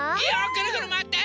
ぐるぐるまわって！